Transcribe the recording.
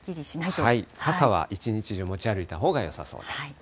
傘は一日中、持ち歩いたほうがよさそうです。